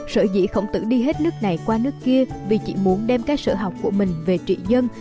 sở dĩ khổng tử đi hết nước này qua nước kia vì chỉ muốn đem các sở học của mình về trị dân